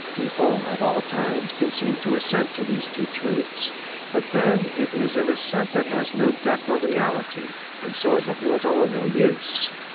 People, at all times, can seem to assent to these two truths ; but then it is an assent that has no depth or reality, and so is of little or no use.